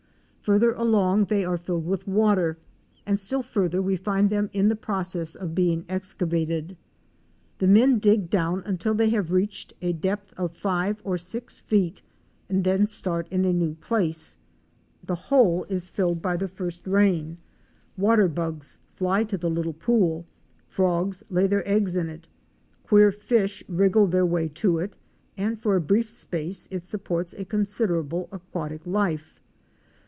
Farther along they are filled with water, and still farther we find them in the process of being excavated. Fic. 50. MANGROVE WILDERNESS FROM THE Hich Lanp aT GUANOCO. The men dig down until they have reached a depth of five or six feet, and then start in a new place. The hole is filled by the first rain; water bugs fly to the little pool, frogs lay their eggs in it, queer fish wriggle their way to it and for a brief space it supports a considerable aquatic life.